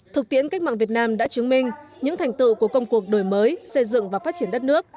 thực tiễn cách mạng việt nam đã chứng minh những thành tựu của công cuộc đổi mới xây dựng và phát triển đất nước